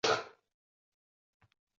Uni shu sari yetaklab kelgan.